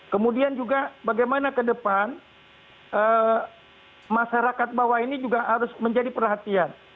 kemudian juga bagaimana ke depan masyarakat bawah ini juga harus menjadi perhatian